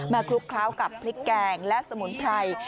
คลุกเคล้ากับพริกแกงและสมุนไพร